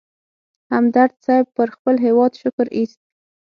همدرد صیب پر خپل هېواد شکر اېست.